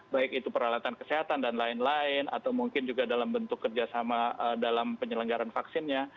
baik itu peralatan kesehatan dan lain lain atau mungkin juga dalam bentuk kerjasama dalam penyelenggaran vaksinnya